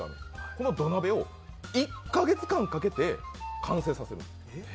この土鍋を１か月間かけて完成させるんです。